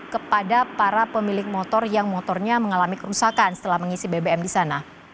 kepada para pemilik motor yang motornya mengalami kerusakan setelah mengisi bbm di sana